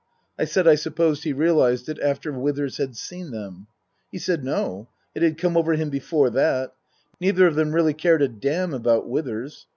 I said I supposed he realized it after Withers had seen them ? He said, No, it had come over him before that. Neither of them really cared a damn about Withers.